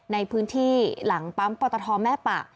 ในพื้นที่หลังปั๊มปตทแม่ปะ